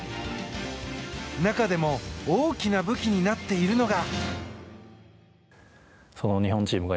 中でも大きな武器になっているのが。